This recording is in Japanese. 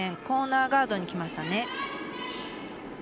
コーナーガードにきましたね。